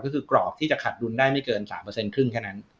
ก็คือกรอบที่จะขัดดุลได้ไม่เกิน๓ครึ่งแค่นั้น